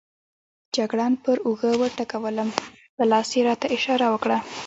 جګړن پر اوږه وټکولم، په لاس یې راته اشاره وکړه.